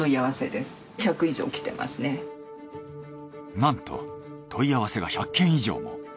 なんと問い合わせが１００件以上も。